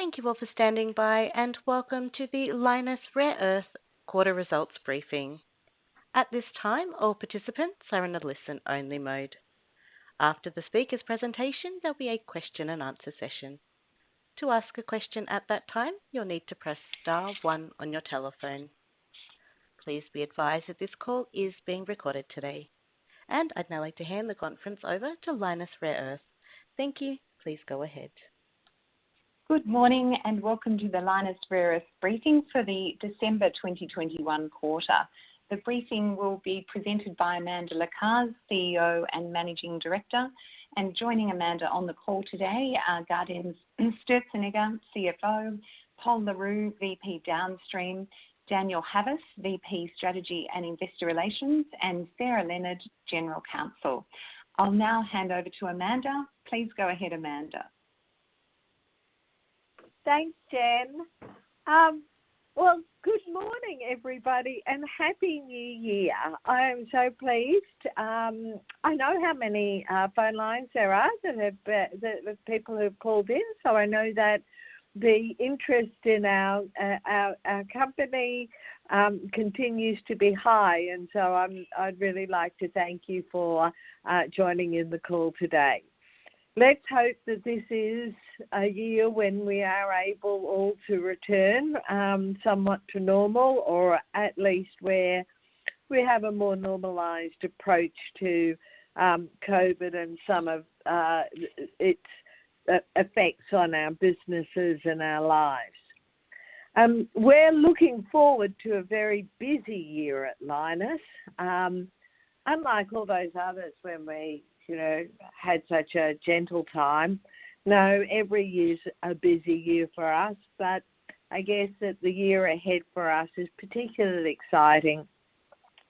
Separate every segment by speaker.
Speaker 1: Thank you all for standing by, and welcome to the Lynas Rare Earths quarter results briefing. At this time, all participants are in a listen-only mode. After the speaker's presentation, there'll be a question and answer session. To ask a question at that time, you'll need to press star one on your telephone. Please be advised that this call is being recorded today. I'd now like to hand the conference over to Lynas Rare Earths. Thank you. Please go ahead.
Speaker 2: Good morning and welcome to the Lynas Rare Earths briefing for the December 2021 quarter. The briefing will be presented by Amanda Lacaze, CEO and Managing Director. Joining Amanda on the call today are Gaudenz Sturzenegger, CFO, Pol Le Roux, VP Downstream, Daniel Havas, VP Strategy and Investor Relations, and Sarah Leonard, General Counsel. I'll now hand over to Amanda. Please go ahead, Amanda.
Speaker 3: Thanks, Jen. Good morning, everybody, and Happy New Year. I am so pleased. I know how many phone lines there are and the people who have called in, so I know that the interest in our company continues to be high. I'd really like to thank you for joining in the call today. Let's hope that this is a year when we are able all to return somewhat to normal or at least where we have a more normalized approach to COVID and some of its effects on our businesses and our lives. We're looking forward to a very busy year at Lynas. Unlike all those others when we, you know, had such a gentle time. No, every year is a busy year for us. I guess that the year ahead for us is particularly exciting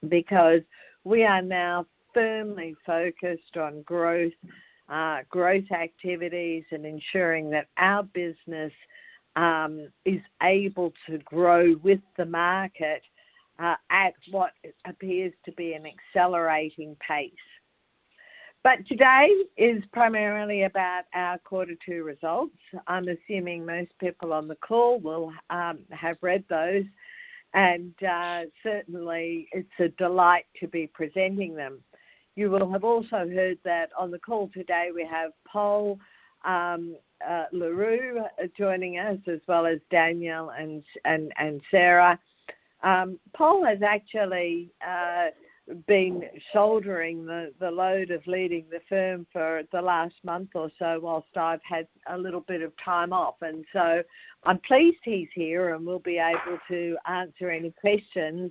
Speaker 3: because we are now firmly focused on growth activities and ensuring that our business is able to grow with the market at what appears to be an accelerating pace. Today is primarily about our quarter two results. I'm assuming most people on the call will have read those. Certainly it's a delight to be presenting them. You will have also heard that on the call today, we have Pol Le Roux joining us as well as Daniel and Sarah. Pol has actually been shouldering the load of leading the firm for the last month or so while I've had a little bit of time off. I'm pleased he's here and will be able to answer any questions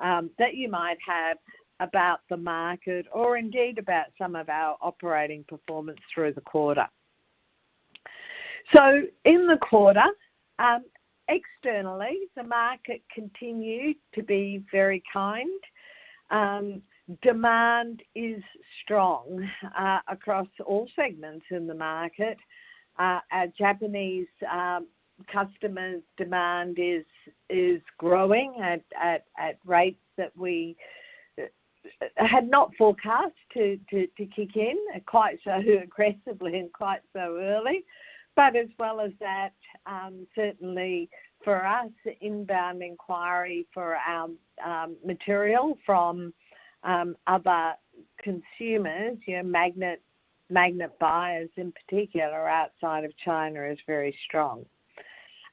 Speaker 3: that you might have about the market or indeed about some of our operating performance through the quarter. In the quarter, externally, the market continued to be very kind. Demand is strong across all segments in the market. Our Japanese customers demand is growing at rates that we had not forecast to kick in, quite so aggressively and quite so early. But as well as that, certainly for us, inbound inquiry for our material from other consumers, magnet buyers in particular outside of China is very strong.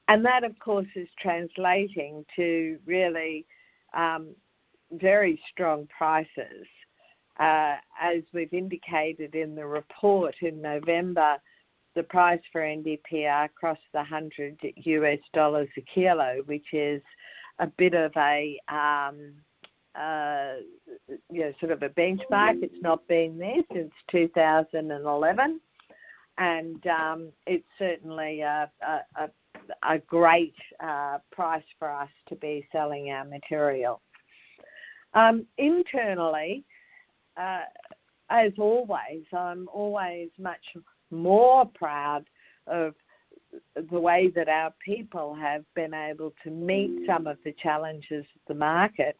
Speaker 3: That, of course, is translating to really very strong prices. As we've indicated in the report in November, the price for NdPr crossed $100 a kilo, which is a bit of a, you know, sort of a benchmark. It's not been there since 2011. It's certainly a great price for us to be selling our material. Internally, as always, I'm always much more proud of the way that our people have been able to meet some of the challenges of the market.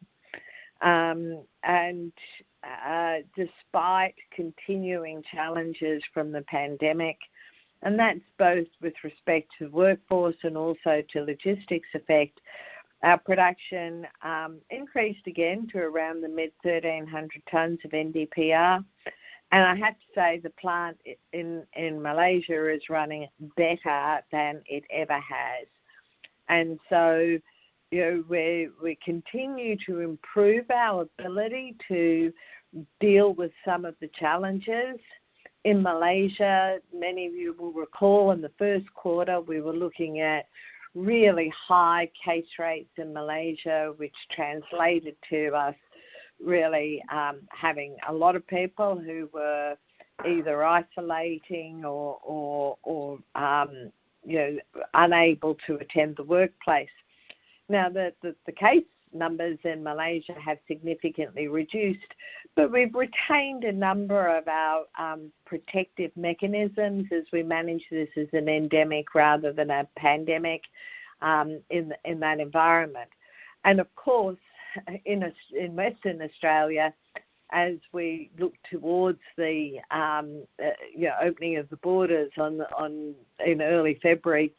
Speaker 3: Despite continuing challenges from the pandemic, and that's both with respect to workforce and also to logistics effect, our production increased again to around the mid-1,300 tons of NdPr. I have to say, the plant in Malaysia is running better than it ever has. You know, we continue to improve our ability to deal with some of the challenges in Malaysia. Many of you will recall in the first quarter, we were looking at really high case rates in Malaysia, which translated to us really having a lot of people who were either isolating or you know, unable to attend the workplace. Now, the case numbers in Malaysia have significantly reduced, but we've retained a number of our protective mechanisms as we manage this as an endemic rather than a pandemic in that environment. Of course, in Western Australia, as we look towards the you know, opening of the borders in early February,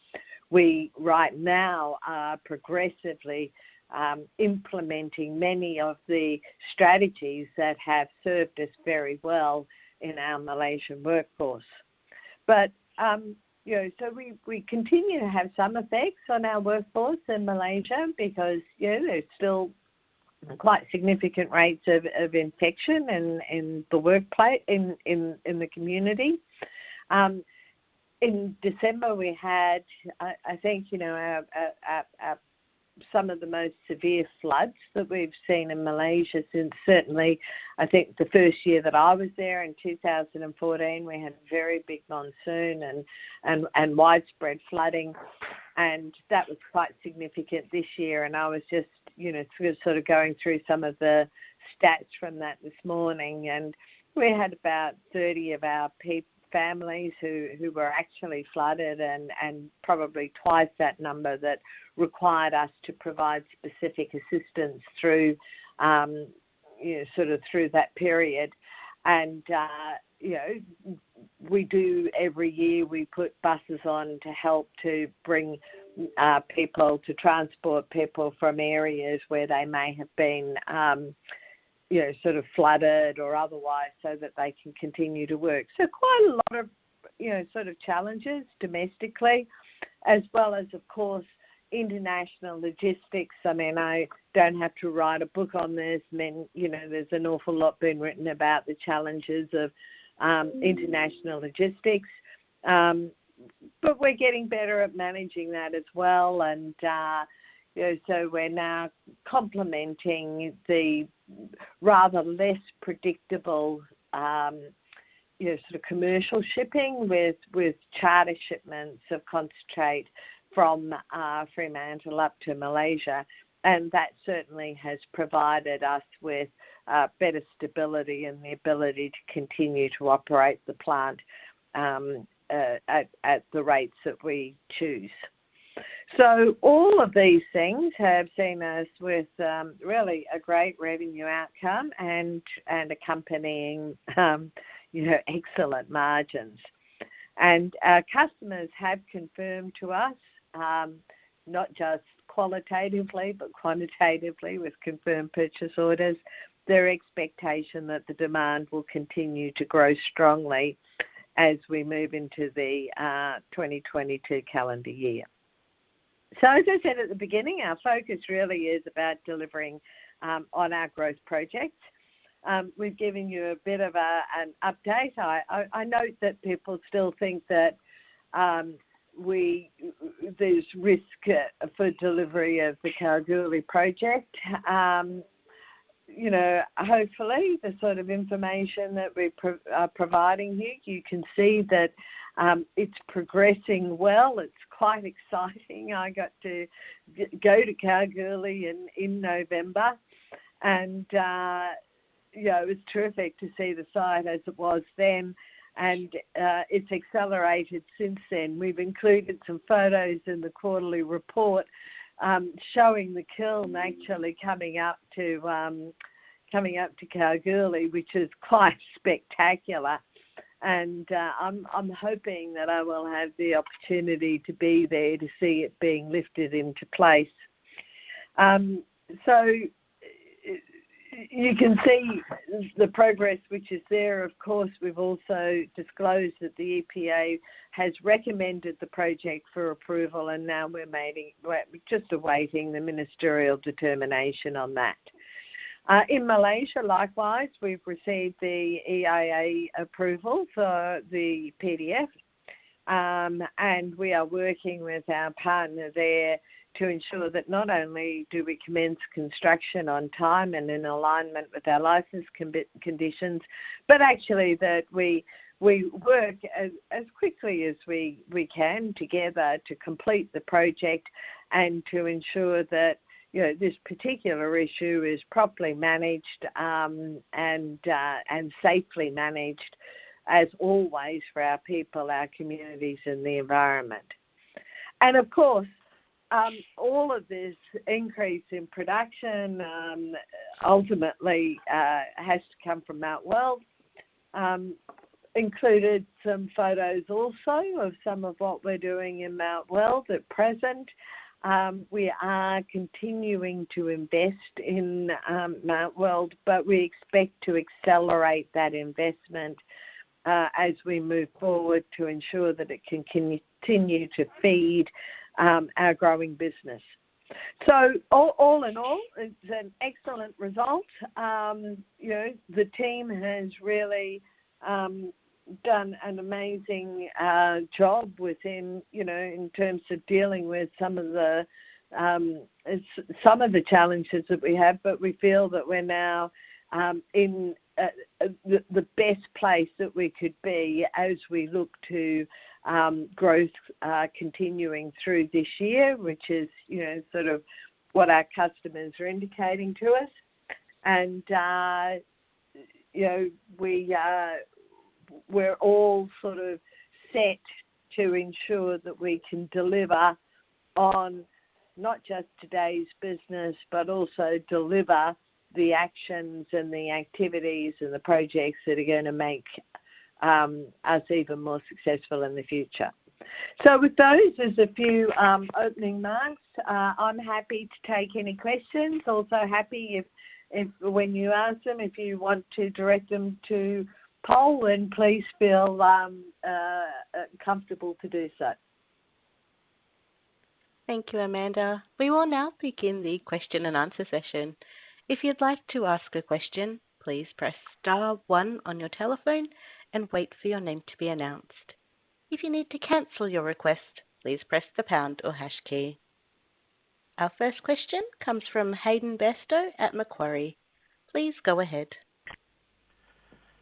Speaker 3: we right now are progressively implementing many of the strategies that have served us very well in our Malaysian workforce. You know, we continue to have some effects on our workforce in Malaysia because, you know, there's still quite significant rates of infection in the workplace, in the community. In December, we had, I think, you know, some of the most severe floods that we've seen in Malaysia since certainly, I think, the first year that I was there in 2014. We had a very big monsoon and widespread flooding, and that was quite significant this year. I was just, you know, sort of going through some of the stats from that this morning. We had about 30 of our families who were actually flooded and probably twice that number that required us to provide specific assistance through, you know, sort of through that period. We do every year, we put buses on to help to bring people to transport people from areas where they may have been, you know, sort of flooded or otherwise, so that they can continue to work. Quite a lot of, you know, sort of challenges domestically as well as, of course, international logistics. I mean, I don't have to write a book on this. You know, there's an awful lot been written about the challenges of international logistics. But we're getting better at managing that as well. You know, we're now complementing the rather less predictable, you know, sort of commercial shipping with charter shipments of concentrate from Fremantle up to Malaysia. That certainly has provided us with better stability and the ability to continue to operate the plant at the rates that we choose. All of these things have seen us with really a great revenue outcome and accompanying you know excellent margins. Our customers have confirmed to us not just qualitatively but quantitatively with confirmed purchase orders their expectation that the demand will continue to grow strongly as we move into the 2022 calendar year. As I said at the beginning our focus really is about delivering on our growth projects. We've given you a bit of an update. I note that people still think that there's risk for delivery of the Kalgoorlie project. You know, hopefully, the sort of information that we're providing you can see that, it's progressing well. It's quite exciting. I got to go to Kalgoorlie in November and, you know, it was terrific to see the site as it was then. It's accelerated since then. We've included some photos in the quarterly report, showing the kiln actually coming up to Kalgoorlie, which is quite spectacular. I'm hoping that I will have the opportunity to be there to see it being lifted into place. You can see the progress which is there. Of course, we've also disclosed that the EPA has recommended the project for approval, and now we're just awaiting the ministerial determination on that. In Malaysia, likewise, we've received the EIA approval for the PDF. We are working with our partner there to ensure that not only do we commence construction on time and in alignment with our license conditions, but actually that we work as quickly as we can together to complete the project and to ensure that, you know, this particular issue is properly managed and safely managed as always for our people, our communities and the environment. Of course, all of this increase in production ultimately has to come from Mt Weld. We included some photos also of some of what we're doing in Mt Weld at present. We are continuing to invest in Mt Weld. We expect to accelerate that investment as we move forward to ensure that it can continue to feed our growing business. All in all, it's an excellent result. You know, the team has really done an amazing job within, you know, in terms of dealing with some of the challenges that we have. We feel that we're now in the best place that we could be as we look to growth continuing through this year, which is, you know, sort of what our customers are indicating to us. You know, we're all sort of set to ensure that we can deliver on not just today's business, but also deliver the actions and the activities and the projects that are gonna make us even more successful in the future. With those, there's a few opening marks. I'm happy to take any questions. I'm happy if when you ask them, if you want to direct them to Pol, then please feel comfortable to do so.
Speaker 2: Thank you, Amanda. We will now begin the question and answer session. If you'd like to ask a question, please press star one on your telephone and wait for your name to be announced. If you need to cancel your request, please press the pound or hash key. Our first question comes from Hayden Bairstow at Macquarie. Please go ahead.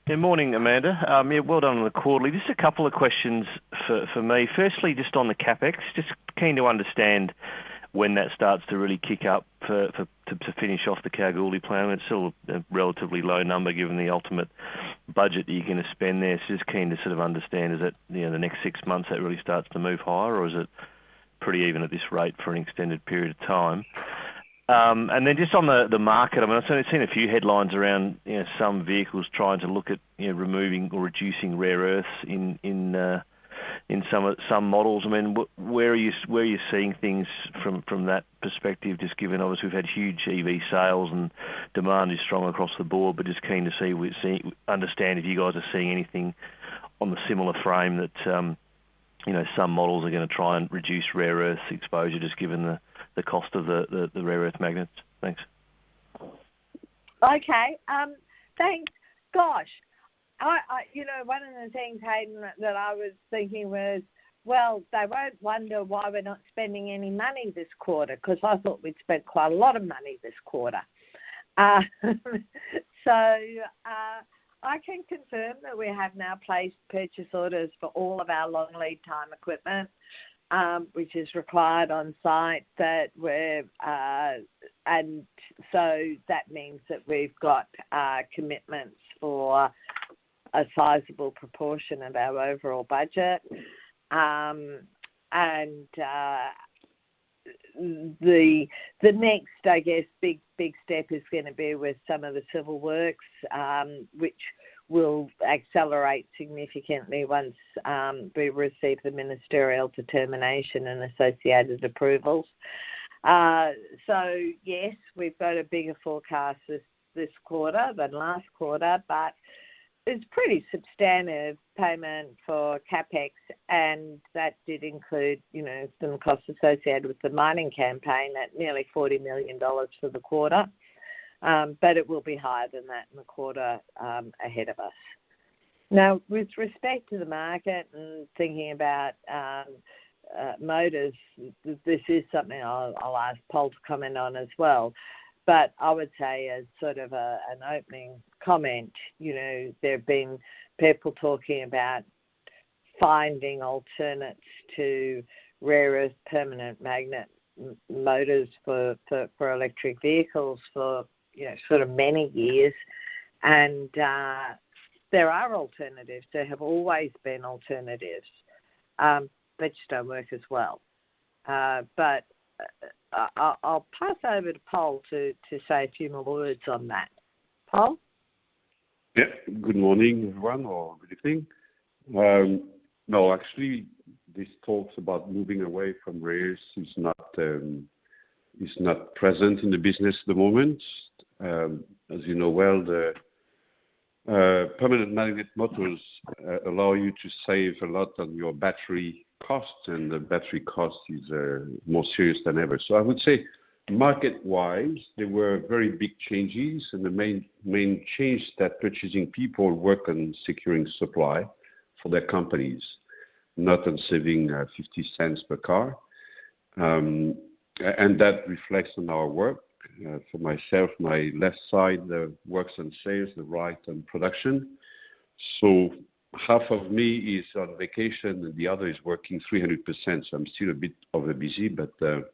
Speaker 4: Good morning, Amanda. Yeah, well done on the quarterly. Just a couple of questions for me. Firstly, just on the CapEx, just keen to understand when that starts to really kick up to finish off the Kalgoorlie plant. It's still a relatively low number given the ultimate budget that you're gonna spend there. So just keen to sort of understand, is it, you know, the next six months that really starts to move higher? Or is it pretty even at this rate for an extended period of time? And then just on the market, I mean, I've seen a few headlines around, you know, some vehicles trying to look at, you know, removing or reducing rare earths in some models. I mean, where are you seeing things from that perspective? Just given, obviously, we've had huge EV sales and demand is strong across the board, but just keen to see, understand if you guys are seeing anything on the similar frame that, you know, some models are gonna try and reduce rare earths exposure just given the cost of the rare earth magnets? Thanks.
Speaker 3: Okay. Thanks. Gosh, I you know, one of the things, Hayden, that I was thinking was, well, they won't wonder why we're not spending any money this quarter 'cause I thought we'd spent quite a lot of money this quarter. I can confirm that we have now placed purchase orders for all of our long lead time equipment, which is required on site that we're. That means that we've got commitments for a sizable proportion of our overall budget. The next, I guess, big step is gonna be with some of the civil works, which will accelerate significantly once we receive the ministerial determination and associated approvals. So yes, we've got a bigger forecast this quarter than last quarter, but it's pretty substandard payment for CapEx, and that did include, you know, some costs associated with the mining campaign at nearly 40 million dollars for the quarter. But it will be higher than that in the quarter ahead of us. Now, with respect to the market and thinking about motors, this is something I'll ask Pol to comment on as well. But I would say as sort of an opening comment, you know, there have been people talking about finding alternates to rare earth permanent magnet motors for electric vehicles for, you know, sort of many years. There are alternatives. There have always been alternatives, which don't work as well. I'll pass over to Pol to say a few more words on that. Pol?
Speaker 5: Yeah. Good morning, everyone, or good evening. No, actually, these talks about moving away from rare earths is not present in the business at the moment. As you know well, the permanent magnet motors allow you to save a lot on your battery costs, and the battery cost is more serious than ever. I would say market-wise, there were very big changes, and the main change that purchasing people work on securing supply for their companies, not on saving $0.50 per car. And that reflects on our work. For myself, my left side works on sales, the right on production. Half of me is on vacation, and the other is working 300%. I'm still a bit over busy, but there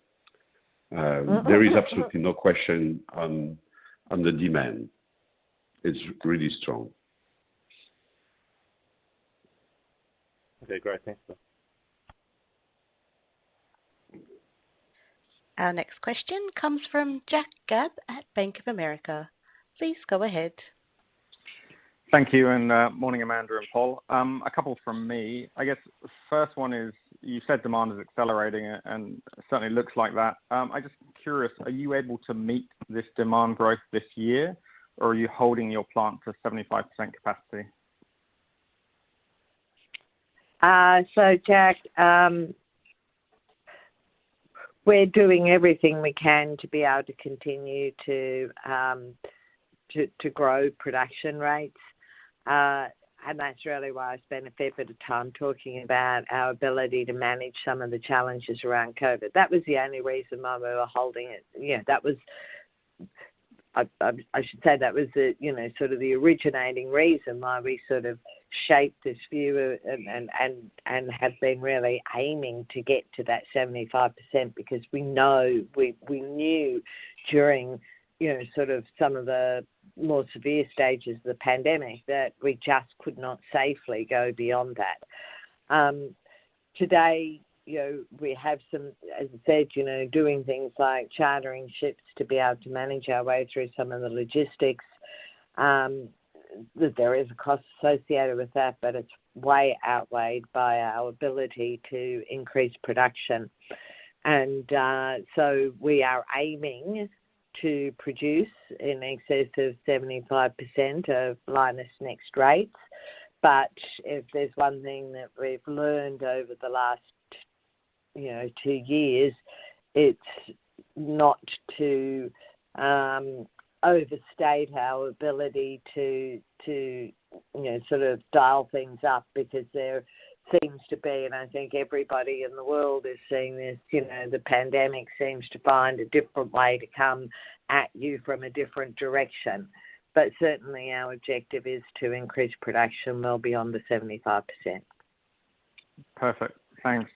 Speaker 5: is absolutely no question on the demand. It's really strong.
Speaker 4: Okay, great. Thanks.
Speaker 2: Our next question comes from Jack Gabb at Bank of America. Please go ahead.
Speaker 6: Thank you. Morning, Amanda and Pol. A couple from me. I guess the first one is, you said demand is accelerating and certainly looks like that. I'm just curious, are you able to meet this demand growth this year, or are you holding your plant to a 75% capacity?
Speaker 3: Jack, we're doing everything we can to be able to continue to grow production rates. That's really why I spent a fair bit of time talking about our ability to manage some of the challenges around COVID. That was the only reason why we were holding it. Yeah, that was. I should say that was the, you know, sort of the originating reason why we sort of shaped this view and have been really aiming to get to that 75% because we knew during, you know, sort of some of the more severe stages of the pandemic that we just could not safely go beyond that. Today, you know, we have some, as I said, you know, doing things like chartering ships to be able to manage our way through some of the logistics. There is a cost associated with that, but it's way outweighed by our ability to increase production. We are aiming to produce in excess of 75% of Lynas' NEXT rates. If there's one thing that we've learned over the last, you know, two years, it's not to overstate our ability to, you know, sort of dial things up because there seems to be, and I think everybody in the world is seeing this, you know, the pandemic seems to find a different way to come at you from a different direction. Certainly, our objective is to increase production well beyond the 75%.
Speaker 6: Perfect. Thanks.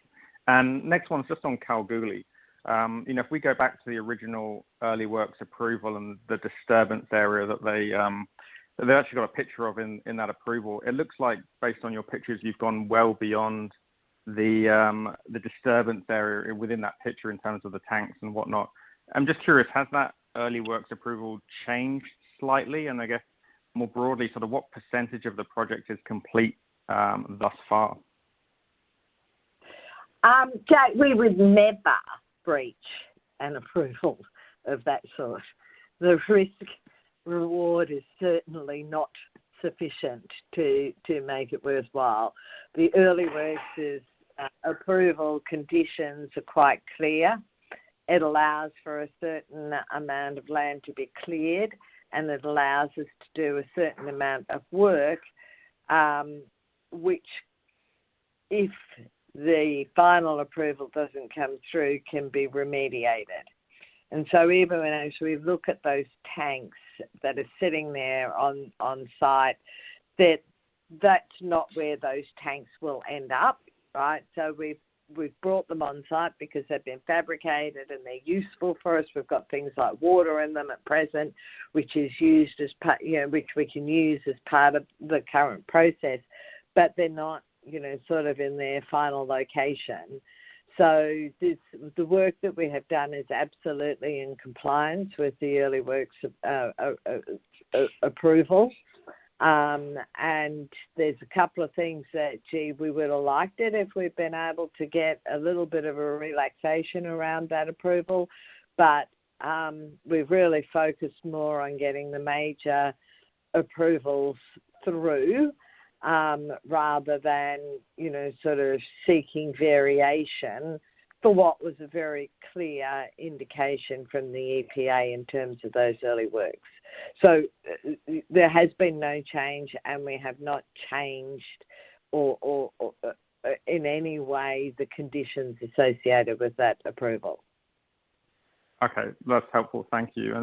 Speaker 6: Next one is just on Kalgoorlie. You know, if we go back to the original early works approval and the disturbance area that they actually got a picture of in that approval. It looks like based on your pictures, you've gone well beyond the disturbance area within that picture in terms of the tanks and whatnot. I'm just curious, has that early works approval changed slightly? I guess more broadly, sort of what percentage of the project is complete thus far?
Speaker 3: Jack, we would never breach an approval of that sort. The risk reward is certainly not sufficient to make it worthwhile. The early works' approval conditions are quite clear. It allows for a certain amount of land to be cleared, and it allows us to do a certain amount of work, which if the final approval doesn't come through, can be remediated. Even as we look at those tanks that are sitting there on-site, that's not where those tanks will end up, right? We've brought them on-site because they've been fabricated and they're useful for us. We've got things like water in them at present, which is used, you know, which we can use as part of the current process, but they're not, you know, sort of in their final location. The work that we have done is absolutely in compliance with the early works approval. There's a couple of things that we would have liked it if we'd been able to get a little bit of a relaxation around that approval. We've really focused more on getting the major approvals through rather than, you know, sort of seeking variation for what was a very clear indication from the EPA in terms of those early works. There has been no change, and we have not changed or in any way the conditions associated with that approval.
Speaker 6: Okay. That's helpful. Thank you.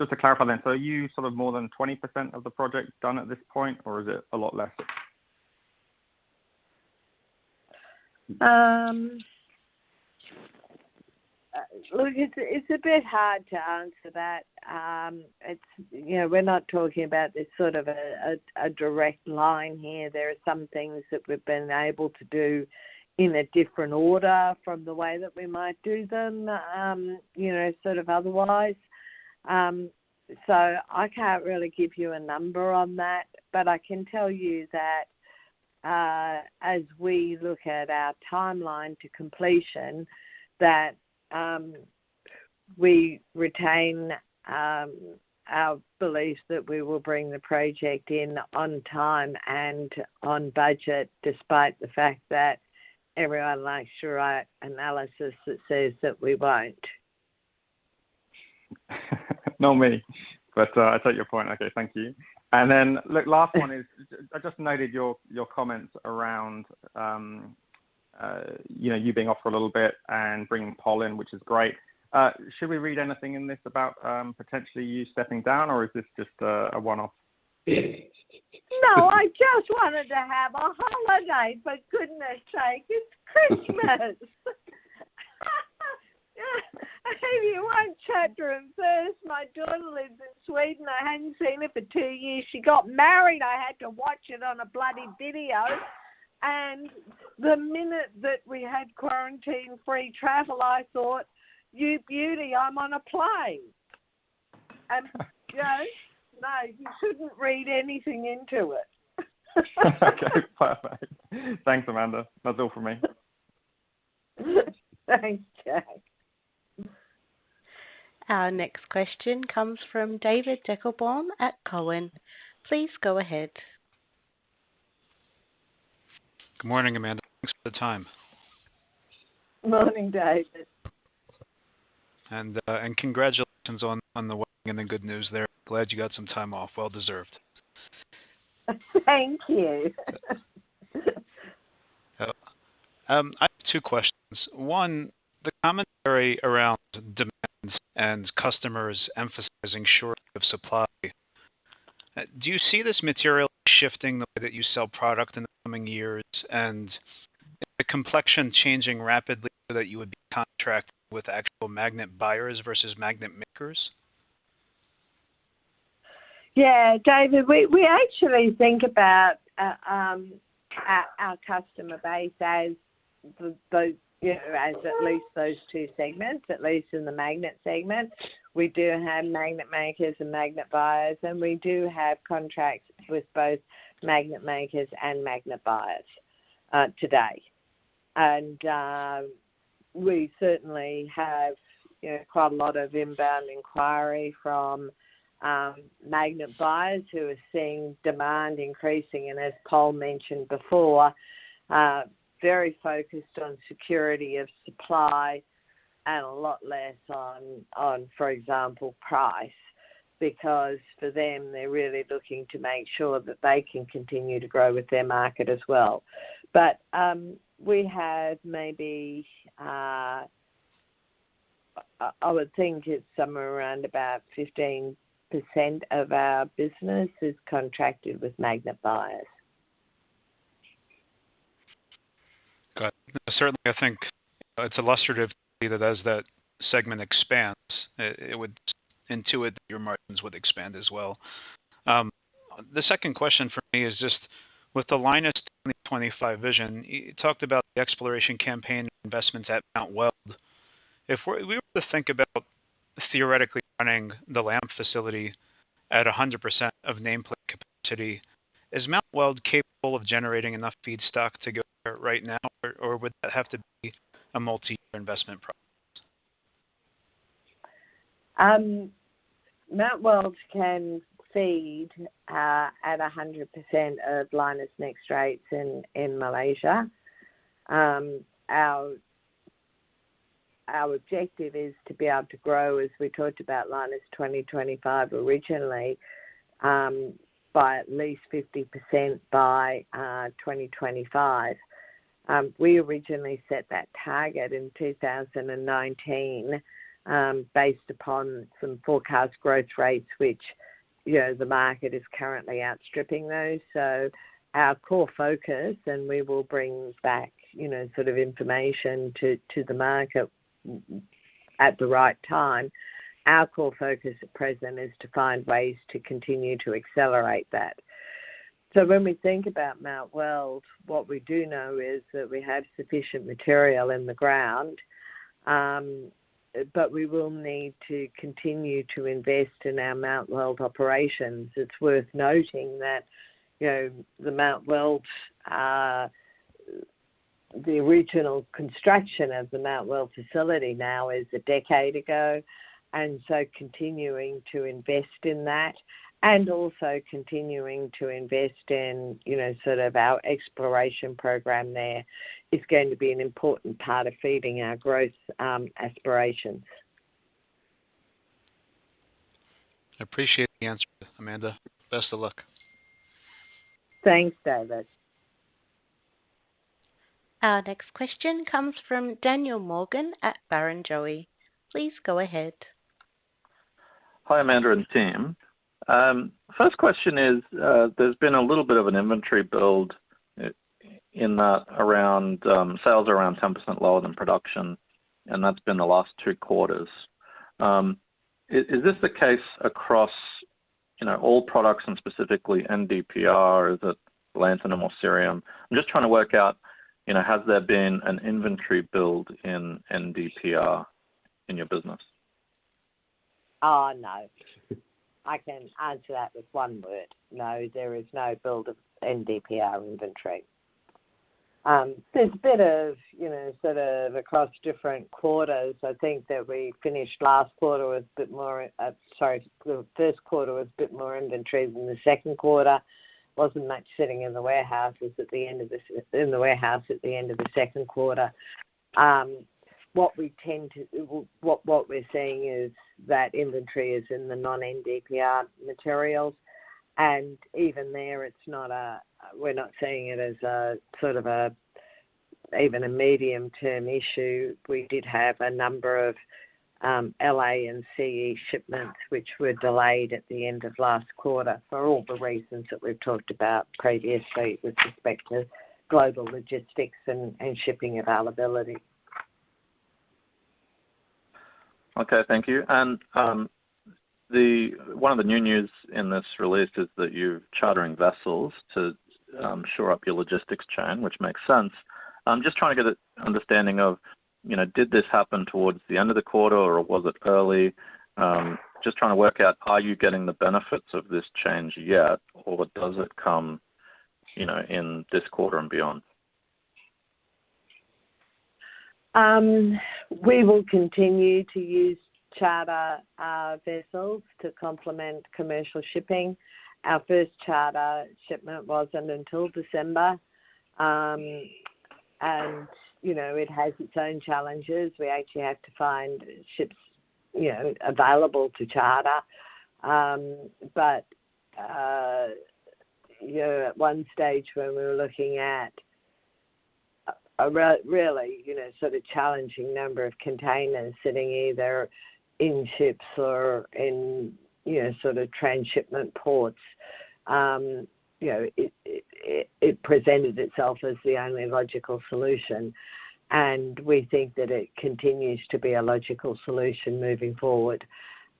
Speaker 6: Just to clarify then, so are you sort of more than 20% of the project done at this point, or is it a lot less?
Speaker 3: Look, it's a bit hard to answer that. You know, we're not talking about this sort of a direct line here. There are some things that we've been able to do in a different order from the way that we might do them, you know, sort of otherwise. I can't really give you a number on that, but I can tell you that as we look at our timeline to completion, we retain our belief that we will bring the project in on time and on budget, despite the fact that everyone likes to write analysis that says that we won't.
Speaker 6: Not me. I take your point. Okay, thank you. Look, last one is, I just noted your comments around you know, you being off for a little bit and bringing Pol in, which is great. Should we read anything in this about potentially you stepping down, or is this just a one-off?
Speaker 3: No, I just wanted to have a holiday for goodness' sake. It's Christmas. If you want to chat room first, my daughter lives in Sweden. I hadn't seen her for two years. She got married. I had to watch it on a bloody video. The minute that we had quarantine-free travel, I thought, "You beauty, I'm on a plane." You know. No, you shouldn't read anything into it.
Speaker 6: Okay, perfect. Thanks, Amanda. That's all for me.
Speaker 3: Thanks, Jack.
Speaker 2: Our next question comes from David Deckelbaum at Cowen. Please go ahead.
Speaker 7: Good morning, Amanda. Thanks for the time.
Speaker 3: Morning, David.
Speaker 7: Congratulations on the win and the good news there. Glad you got some time off. Well deserved.
Speaker 3: Thank you.
Speaker 7: I have two questions. One, the commentary around demand and customers emphasizing shortage of supply. Do you see this materially shifting the way that you sell product in the coming years? The complexion changing rapidly so that you would contract with actual magnet buyers versus magnet makers?
Speaker 3: Yeah, David, we actually think about our customer base as both, you know, as at least those two segments, at least in the magnet segment. We do have magnet makers and magnet buyers, and we do have contracts with both magnet makers and magnet buyers today. We certainly have, you know, quite a lot of inbound inquiry from magnet buyers who are seeing demand increasing. As Pol mentioned before, very focused on security of supply and a lot less on, for example, price. Because for them, they're really looking to make sure that they can continue to grow with their market as well. We have maybe, I would think it's somewhere around about 15% of our business is contracted with magnet buyers.
Speaker 7: Got it. Certainly, I think it's illustrative that as that segment expands, it would intuit that your margins would expand as well. The second question for me is just with the Lynas 2025 vision, you talked about the exploration campaign investments at Mt Weld. If we were to think about theoretically running the LAMP facility at 100% of nameplate capacity, is Mt Weld capable of generating enough feedstock to go there right now, or would that have to be a multi-year investment problem?
Speaker 3: Mt Weld can feed at 100% of Lynas' NEXT rates in Malaysia. Our objective is to be able to grow, as we talked about Lynas 2025 originally, by at least 50% by 2025. We originally set that target in 2019, based upon some forecast growth rates, which, you know, the market is currently outstripping those. Our core focus, and we will bring back, you know, sort of information to the market at the right time. Our core focus at present is to find ways to continue to accelerate that. When we think about Mt Weld, what we do know is that we have sufficient material in the ground. We will need to continue to invest in our Mt Weld operations. It's worth noting that, you know, the Mt Weld, the original construction of the Mt Weld facility now is a decade ago. Continuing to invest in that and also continuing to invest in, you know, sort of our exploration program there is going to be an important part of feeding our growth aspirations.
Speaker 7: I appreciate the answer, Amanda. Best of luck.
Speaker 3: Thanks, David.
Speaker 2: Our next question comes from Daniel Morgan at Barrenjoey. Please go ahead.
Speaker 8: Hi, Amanda and team. First question is, there's been a little bit of an inventory build in that around sales around 10% lower than production, and that's been the last two quarters. Is this the case across, you know, all products and specifically NdPr? Is it lanthanum or cerium? I'm just trying to work out, you know, has there been an inventory build in NdPr in your business?
Speaker 3: Oh, no. I can answer that with one word. No, there is no build of NdPr inventory. There's a bit of, you know, sort of across different quarters. I think that we finished the first quarter with a bit more inventory than the second quarter. There wasn't much sitting in the warehouse at the end of the second quarter. What we're seeing is that inventory is in the non-NdPr materials. Even there, we're not seeing it as a sort of even a medium-term issue. We did have a number of LA and CE shipments which were delayed at the end of last quarter for all the reasons that we've talked about previously with respect to global logistics and shipping availability.
Speaker 8: Okay. Thank you. The one of the new news in this release is that you're chartering vessels to shore up your logistics chain, which makes sense. I'm just trying to get an understanding of, you know, did this happen towards the end of the quarter, or was it early? Just trying to work out, are you getting the benefits of this change yet, or does it come, you know, in this quarter and beyond?
Speaker 3: We will continue to use charter vessels to complement commercial shipping. Our first charter shipment wasn't until December. You know, it has its own challenges. We actually have to find ships, you know, available to charter. You know, at one stage when we were looking at a really, you know, sort of challenging number of containers sitting either in ships or in, you know, sort of transshipment ports. You know, it presented itself as the only logical solution, and we think that it continues to be a logical solution moving forward.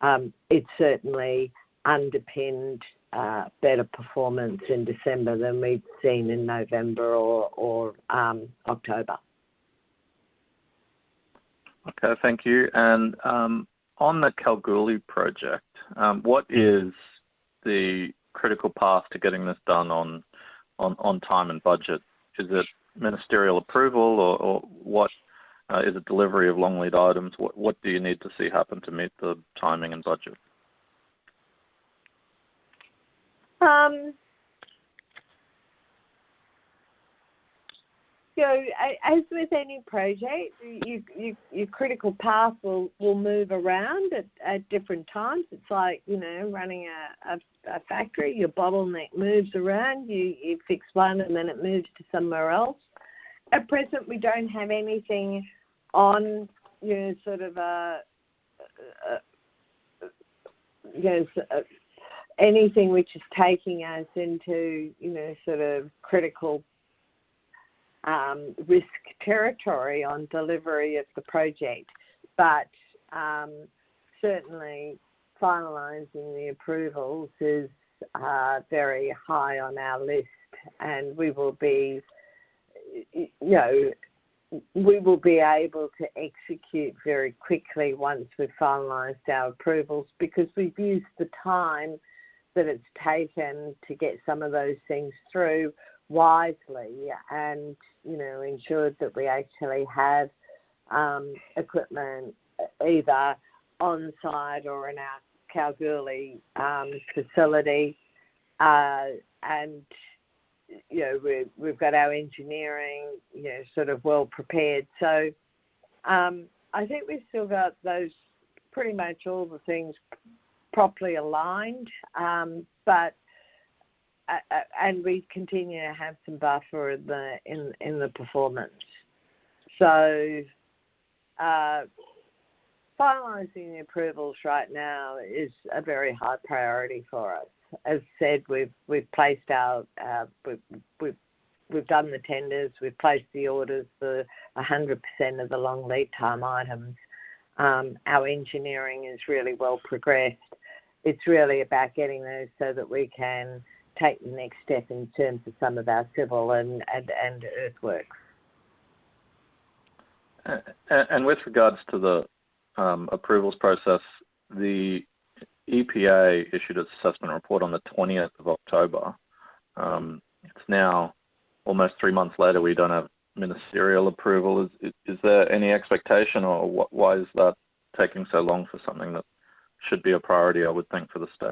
Speaker 3: It certainly underpinned better performance in December than we'd seen in November or October.
Speaker 8: Okay, thank you. On the Kalgoorlie project, what is the critical path to getting this done on time and budget? Is it ministerial approval or what, is it delivery of long-lead items? What do you need to see happen to meet the timing and budget?
Speaker 3: As with any project, your critical path will move around at different times. It's like running a factory. Your bottleneck moves around. You fix one, and then it moves to somewhere else. At present, we don't have anything which is taking us into critical risk territory on delivery of the project. Certainly finalizing the approvals is very high on our list, and we will be able to execute very quickly once we've finalized our approvals. Because we've used the time that it's taken to get some of those things through wisely and ensured that we actually have equipment either on-site or in our Kalgoorlie facility. You know, we've got our engineering, you know, sort of well prepared. I think we've still got those, pretty much all the things properly aligned. We continue to have some buffer in the performance. Finalizing the approvals right now is a very high priority for us. As said, we've done the tenders, we've placed the orders for 100% of the long lead time items. Our engineering is really well progressed. It's really about getting those so that we can take the next step in terms of some of our civil and earthworks.
Speaker 8: With regards to the approvals process, the EPA issued its assessment report on the 20th of October. It's now almost three months later, we don't have ministerial approval. Is there any expectation or why is that taking so long for something that should be a priority, I would think, for the state?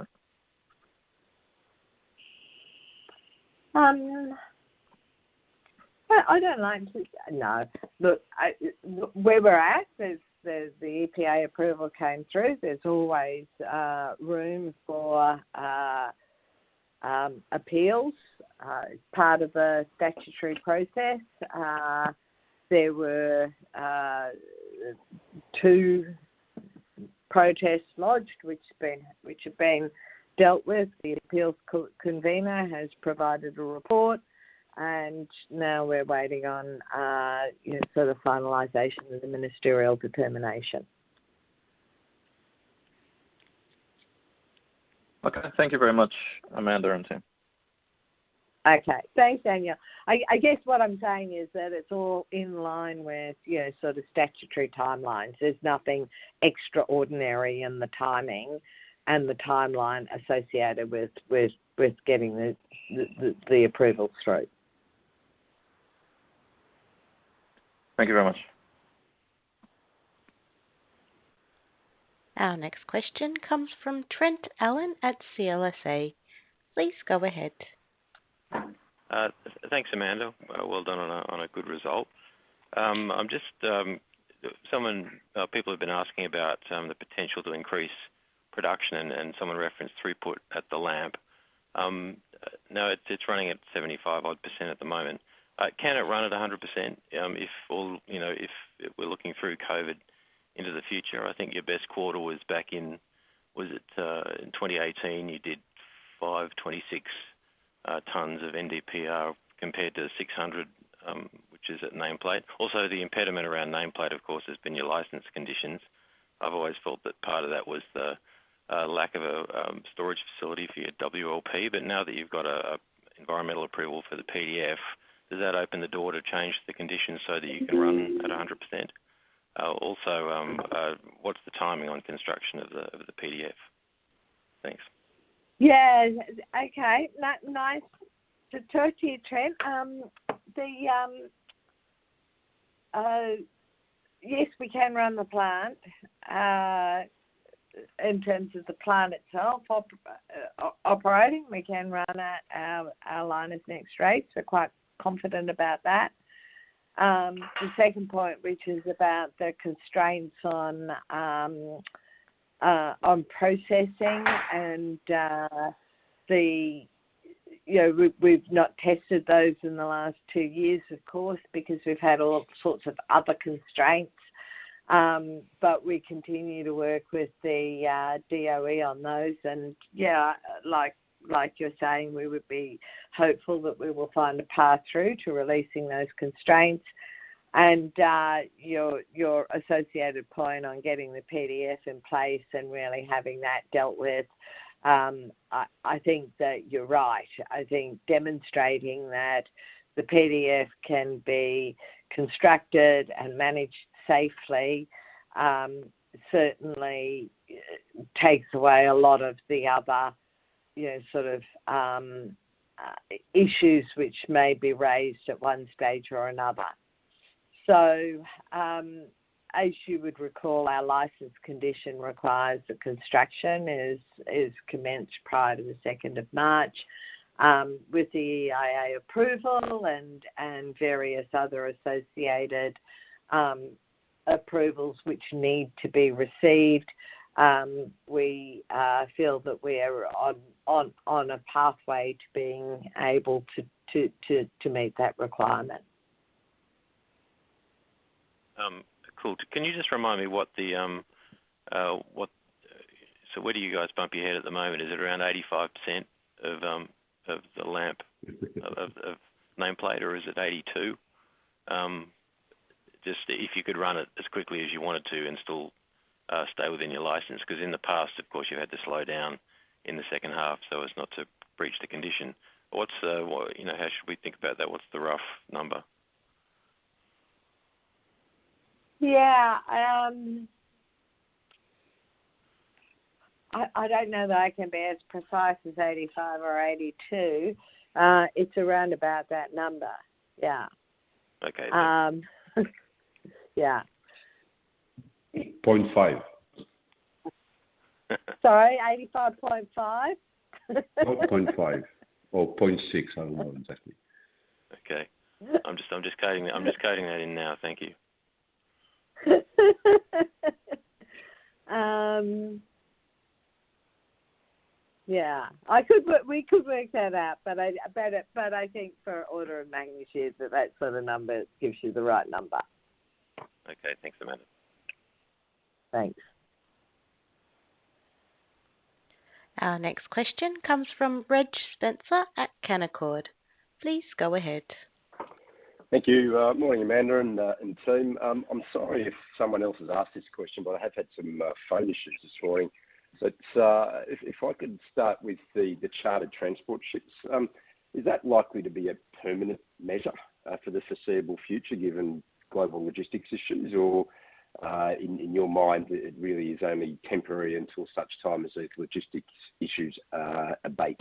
Speaker 3: Look, where we're at, there's the EPA approval came through. There's always room for appeals. It's part of a statutory process. There were two protests lodged, which have been dealt with. The appeals co-convener has provided a report, and now we're waiting on, you know, sort of finalization of the ministerial determination.
Speaker 8: Okay. Thank you very much, Amanda and team.
Speaker 3: Okay. Thanks, Daniel. I guess what I'm saying is that it's all in line with, you know, sort of statutory timelines. There's nothing extraordinary in the timing and the timeline associated with getting the approval through.
Speaker 8: Thank you very much.
Speaker 2: Our next question comes from Trent Allen at CLSA. Please go ahead.
Speaker 9: Thanks, Amanda. Well done on a good result. People have been asking about the potential to increase production, and someone referenced throughput at the LAMP. Now it's running at 75 odd% at the moment. Can it run at 100%, you know, if we're looking through COVID into the future? I think your best quarter was back in 2018, you did 526 tons of NdPr compared to 600, which is at nameplate. Also, the impediment around nameplate, of course, has been your license conditions. I've always felt that part of that was the lack of a storage facility for your WLP. Now that you've got environmental approval for the PDF, does that open the door to change the conditions so that you can run at 100%? Also, what's the timing on construction of the PDF? Thanks.
Speaker 3: Yeah. Okay. Nice to talk to you, Trent. Yes, we can run the plant. In terms of the plant itself operating, we can run at our line at max rates. We're quite confident about that. The second point, which is about the constraints on processing and, you know, we've not tested those in the last two years, of course, because we've had all sorts of other constraints. We continue to work with the DOE on those and yeah, like you're saying, we would be hopeful that we will find a path through to releasing those constraints. Your associated point on getting the PDF in place and really having that dealt with, I think that you're right. I think demonstrating that the PDF can be constructed and managed safely, certainly takes away a lot of the other, you know, sort of, issues which may be raised at one stage or another. As you would recall, our license condition requires the construction is commenced prior to the second of March, with the EIA approval and various other associated approvals which need to be received. We feel that we are on a pathway to being able to meet that requirement.
Speaker 9: Cool. Can you just remind me. Where do you guys bump your head at the moment? Is it around 85% of the LAMP nameplate, or is it 82%? Just if you could run it as quickly as you wanted to and still stay within your license. 'Cause in the past, of course, you had to slow down in the second half so as not to breach the condition. You know, how should we think about that? What's the rough number?
Speaker 3: Yeah. I don't know that I can be as precise as 85% or 82%. It's around about that number. Yeah.
Speaker 9: Okay.
Speaker 3: Yeah.
Speaker 5: Point 5.
Speaker 3: Sorry, 85.5?
Speaker 5: No, 0.5 or 0.6. I don't know exactly.
Speaker 9: Okay. I'm just keying that in now. Thank you.
Speaker 3: We could work that out, but I think for order of magnitude that sort of number gives you the right number.
Speaker 9: Okay. Thanks, Amanda.
Speaker 3: Thanks.
Speaker 2: Our next question comes from Reg Spencer at Canaccord. Please go ahead.
Speaker 10: Thank you. Morning, Amanda and team. I'm sorry if someone else has asked this question, but I have had some phone issues this morning. If I could start with the chartered transport ships, is that likely to be a permanent measure for the foreseeable future given global logistics issues? Or in your mind it really is only temporary until such time as these logistics issues abate?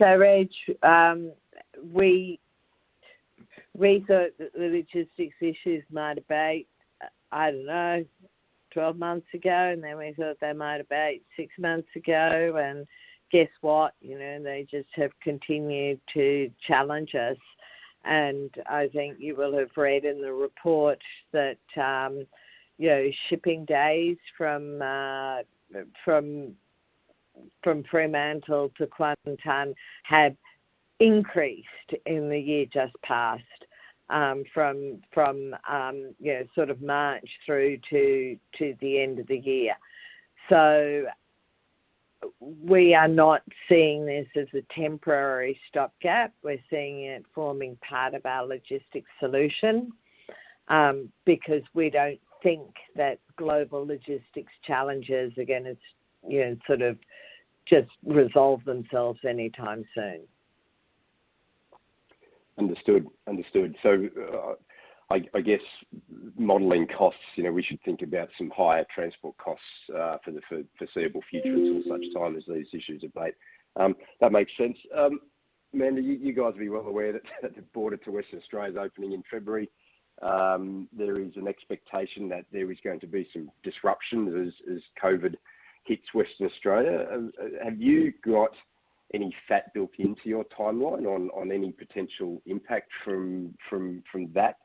Speaker 3: Reg, we thought that the logistics issues might abate, I don't know, 12 months ago, and then we thought they might abate six months ago. Guess what? You know, they just have continued to challenge us. I think you will have read in the report that, you know, shipping days from Fremantle to Kuantan have increased in the year just passed, from sort of March through to the end of the year. We are not seeing this as a temporary stopgap. We're seeing it forming part of our logistics solution, because we don't think that global logistics challenges, again, you know, sort of just resolve themselves anytime soon.
Speaker 10: I guess modeling costs, you know, we should think about some higher transport costs for the foreseeable future until such time as these issues abate. That makes sense. Amanda, you guys will be well aware that the border to Western Australia is opening in February. There is an expectation that there is going to be some disruption as COVID hits Western Australia. Have you got any fat built into your timeline on any potential impact from that?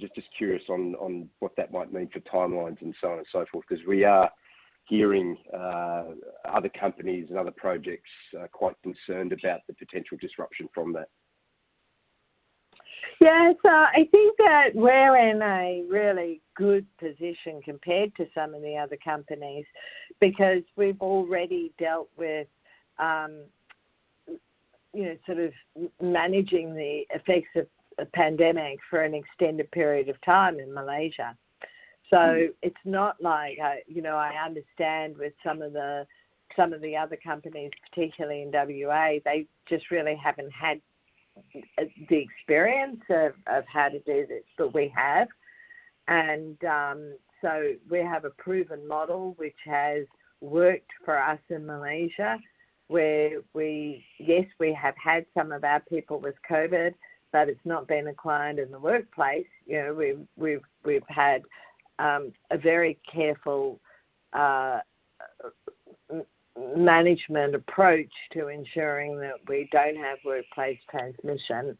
Speaker 10: Just curious on what that might mean for timelines and so on and so forth. 'Cause we are hearing other companies and other projects are quite concerned about the potential disruption from that.
Speaker 3: Yeah. I think that we're in a really good position compared to some of the other companies because we've already dealt with, you know, sort of managing the effects of a pandemic for an extended period of time in Malaysia. It's not like, you know, I understand with some of the other companies, particularly in WA, they just really haven't had the experience of how to do this. We have. We have a proven model which has worked for us in Malaysia where we, yes, we have had some of our people with COVID, but it's not been acquired in the workplace. You know, we've had a very careful management approach to ensuring that we don't have workplace transmission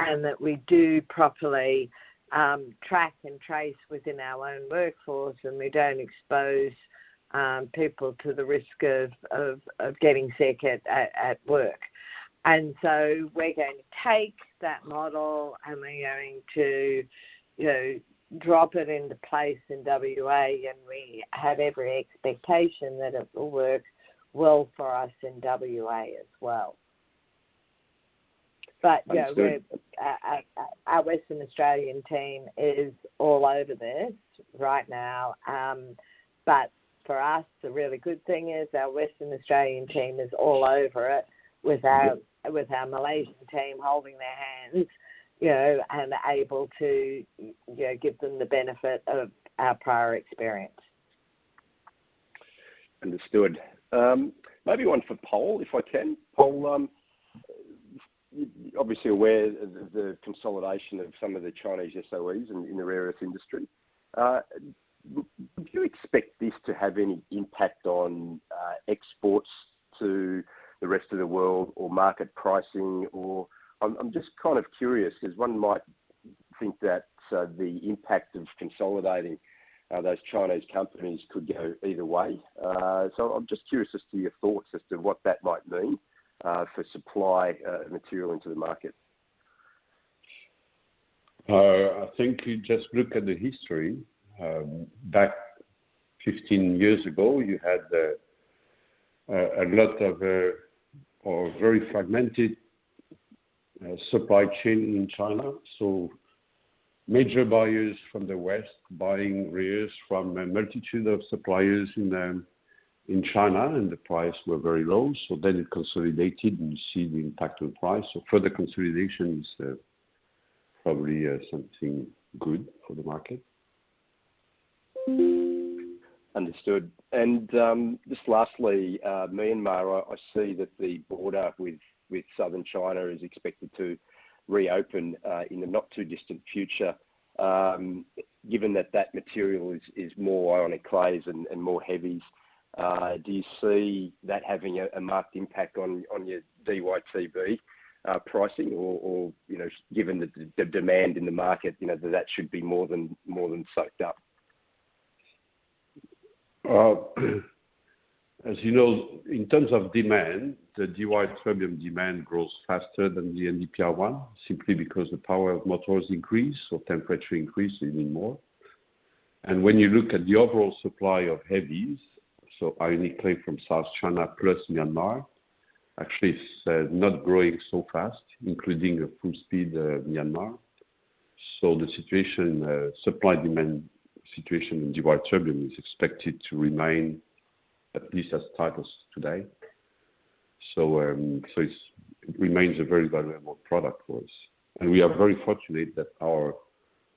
Speaker 3: and that we do properly track and trace within our own workforce, and we don't expose people to the risk of getting sick at work. We're going to take that model, and we're going to, you know, drop it into place in WA, and we have every expectation that it will work well for us in WA as well. But yeah.
Speaker 10: Understood.
Speaker 3: Our Western Australian team is all over this right now. For us, the really good thing is our Western Australian team is all over it with our-
Speaker 10: Yeah.
Speaker 3: With our Malaysian team holding their hand, you know, and able to, you know, give them the benefit of our prior experience.
Speaker 10: Understood. Maybe one for Pol, if I can. Pol, obviously aware of the consolidation of some of the Chinese SOEs in the rare earth industry. Would you expect this to have any impact on exports to the rest of the world or market pricing? I'm just kind of curious because one might think that the impact of consolidating those Chinese companies could go either way. I'm just curious as to your thoughts as to what that might mean for supply material into the market.
Speaker 5: I think you just look at the history. Back 15 years ago, you had a lot of very fragmented supply chain in China. Major buyers from the West buying rare earths from a multitude of suppliers in China, and the price were very low. Then it consolidated, and you see the impact on price. Further consolidation is probably something good for the market.
Speaker 10: Understood. Just lastly, Myanmar, I see that the border with Southern China is expected to reopen in the not-too-distant future. Given that that material is more ionic clays and more heavies, do you see that having a marked impact on your DyTb pricing or, you know, given the demand in the market, you know, that that should be more than soaked up?
Speaker 5: Well, as you know, in terms of demand, the DyTb demand grows faster than the NdPr one, simply because the power of motors increase, so temperature increase, you need more. When you look at the overall supply of heavies, so ionic clay from South China plus Myanmar, actually it's not growing so fast, including full speed Myanmar. The supply-demand situation in DyTb is expected to remain at least as tight as today. It remains a very valuable product for us. We are very fortunate that our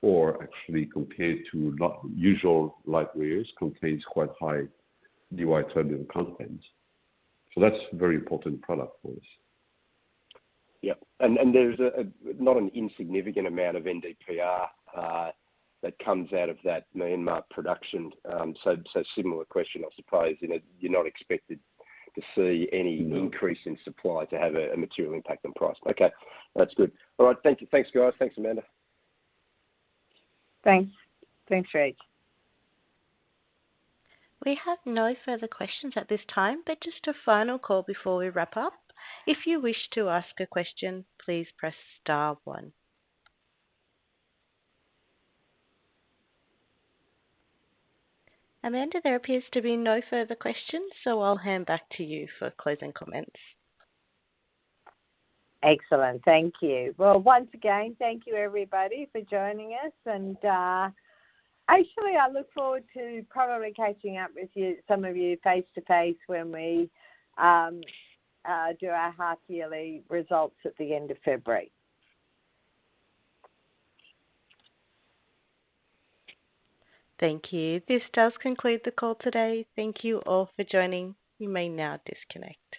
Speaker 5: ore actually, compared to usual light rare earths, contains quite high DyTb content. That's a very important product for us.
Speaker 10: Yeah. There's not an insignificant amount of NdPr that comes out of that Myanmar production. Similar question, I suppose. You know, you're not expected to see any-
Speaker 5: Mm-hmm.
Speaker 10: increase in supply to have a material impact on price. Okay. That's good. All right. Thank you. Thanks, guys. Thanks, Amanda.
Speaker 3: Thanks, Reg.
Speaker 2: We have no further questions at this time, but just a final call before we wrap up. If you wish to ask a question, please press star one. Amanda, there appears to be no further questions, so I'll hand back to you for closing comments.
Speaker 3: Excellent. Thank you. Well, once again, thank you everybody for joining us. Actually, I look forward to probably catching up with you, some of you face-to-face when we do our half-yearly results at the end of February.
Speaker 2: Thank you. This does conclude the call today. Thank you all for joining. You may now disconnect.